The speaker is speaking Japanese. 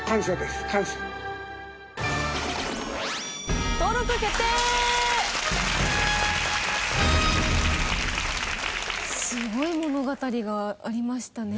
すごい物語がありましたね。